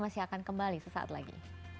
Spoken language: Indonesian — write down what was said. masih akan kembali sesaat lagi